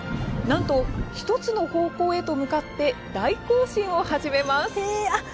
なんと、１つの方向へと向かって大行進を始めます。